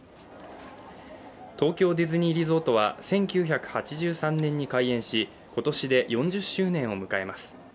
東京ディズニーリゾートは１９８３年に開園し、今年で４０周年を迎えます。